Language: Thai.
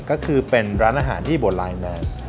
ก็คือเป็นร้านอาหารที่โบราณแมน